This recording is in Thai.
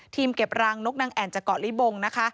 ทีมเก็บรังนกนังแอ่นจักรริบงนะคะ